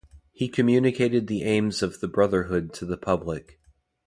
He communicated the aims of the Brotherhood to the public.